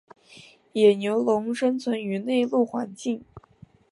野牛龙生存于内陆环境。